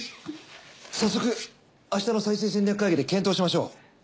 早速明日の再生戦略会議で検討しましょう。